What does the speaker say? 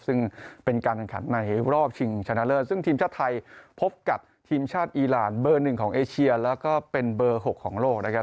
ซึ่งเป็นการแข่งขันในรอบชิงชนะเลิศซึ่งทีมชาติไทยพบกับทีมชาติอีรานเบอร์๑ของเอเชียแล้วก็เป็นเบอร์๖ของโลกนะครับ